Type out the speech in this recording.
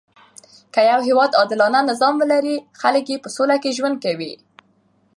که يو هیواد عادلانه نظام ولري؛ خلک ئې په سوله کښي ژوند کوي.